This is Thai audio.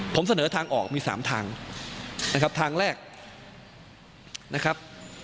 ผมเสนอทางออกมี๓ทางนะครับทางแรกนะครับ